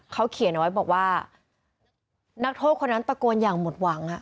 เขาเขียนเอาไว้บอกว่านักโทษคนนั้นตะโกนอย่างหมดหวัง